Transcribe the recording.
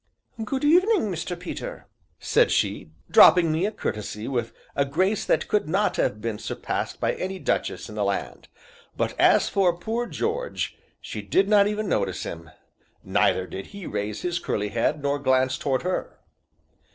"Good evening, Mr. Peter!" said she, dropping me a curtesy with a grace that could not have been surpassed by any duchess in the land; but, as for poor George, she did not even notice him, neither did he raise his curly head nor glance toward her.